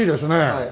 はい。